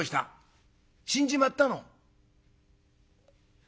「死んじまったの」。